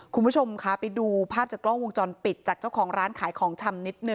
คุณผู้ชมค่ะไปดูภาพจากกล้องวงจร